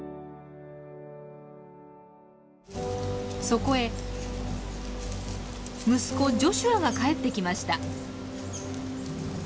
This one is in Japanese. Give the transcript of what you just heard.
そこへ息子ジョシュアが帰ってきました。